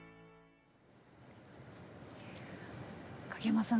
影山さん